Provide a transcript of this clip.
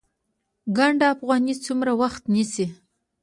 ګنډ افغاني څومره وخت نیسي؟